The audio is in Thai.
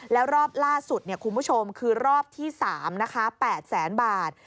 แล้วรอบล่าสุดคุณผู้ชมคือรอบที่๓นะคะ๘แสนบาท